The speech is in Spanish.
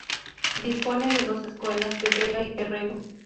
Dispone de dos escuelas: de vela y de remo.